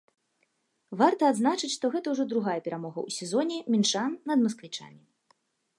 Варта адзначыць, што гэта ўжо другая перамогу ў сезоне мінчан над масквічамі.